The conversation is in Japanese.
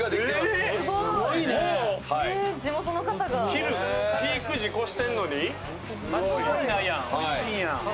昼ピーク時越してんのに？